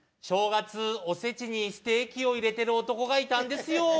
正月、おせちにステーキを入れてる男がいたんですよ。